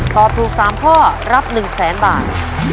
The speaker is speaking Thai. ตอบถูก๓ข้อรับ๑๐๐๐๐๐บาท